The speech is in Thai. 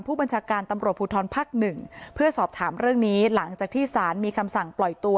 ผู้บัญชาการตำรวจภูทรภักดิ์หนึ่งเพื่อสอบถามเรื่องนี้หลังจากที่สารมีคำสั่งปล่อยตัว